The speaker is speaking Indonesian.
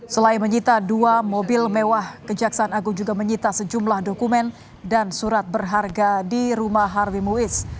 selain menyita dua mobil mewah kejaksaan agung juga menyita sejumlah dokumen dan surat berharga di rumah harvim wis